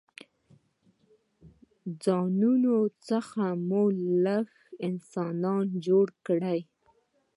ځانونو څخه مو لږ څه انسانان جوړ کړل.